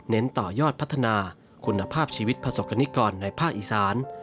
ต่อยอดพัฒนาคุณภาพชีวิตประสบกรณิกรในภาคอีสาน